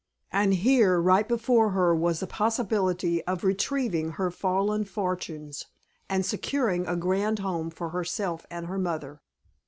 And here, right before her, was the possibility of retrieving her fallen fortunes and securing a grand home for herself and her mother.